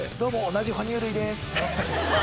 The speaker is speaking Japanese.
同じ哺乳類です。